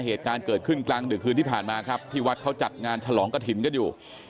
เหตุการณ์เกิดขึ้นกลางดึกคืนที่ผ่านมาครับที่วัดเขาจัดงานฉลองกระถิ่นกันอยู่